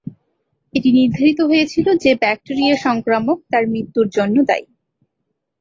এটি নির্ধারিত হয়েছিল যে ব্যাকটেরিয়া সংক্রমণ তার মৃত্যুর জন্য দায়ী।